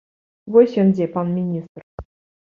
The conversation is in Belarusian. Вось ён дзе, пан міністр.